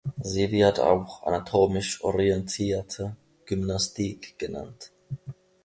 Sie wird auch „anatomisch orientierte Gymnastik“ genannt.